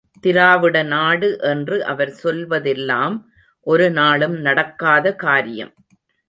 திராவிடநாடு என்று அவர் சொல்வதெல்லாம் ஒரு நாளும் நடக்காத காரியம்.